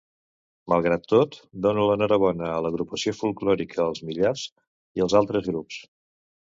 Malgrat tot, dono l'enhorabona a l'Agrupació Folklòrica El Millars i als altres grups.